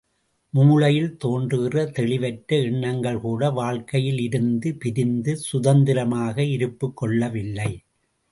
மூளையில் தோன்றுகிற தெளிவற்ற எண்ணங்கள்கூட, வாழ்க்கையில் இருந்து பிரிந்து சுதந்திரமாக இருப்புக் கொள்ளவில்லை.